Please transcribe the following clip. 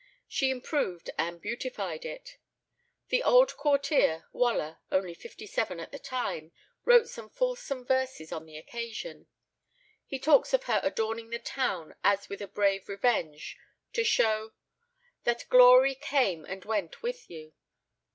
She improved and beautified it. The old courtier, Waller, only fifty seven at the time, wrote some fulsome verses on the occasion. He talks of her adorning the town as with a brave revenge, to show "That glory came and went with you."